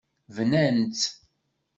Bnan-tt.